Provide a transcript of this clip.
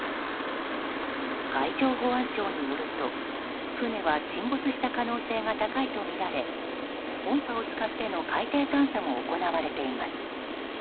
海上保安庁によると船は沈没した可能性が高いとみられ音波を使っての海底探査も行われています。